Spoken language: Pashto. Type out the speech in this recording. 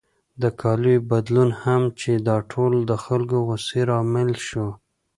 د کالیو بدلون هم چې دا ټول د خلکو د غوسې لامل شو.